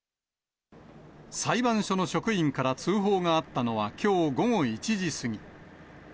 裁判所の職員から通報があったのは、きょう午後１時過ぎ。